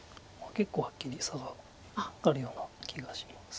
結構はっきり差があるような気がします。